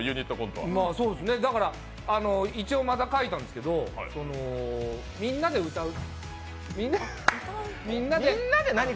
一応、また書いたんですけど、みんなで歌う。